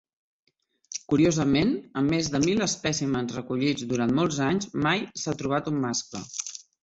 Curiosament, amb més de mil espècimens recollits durant molts anys, mai s'ha trobat un mascle.